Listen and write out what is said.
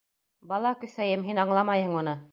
Бала көҫәйем, һин аңламайһың уны.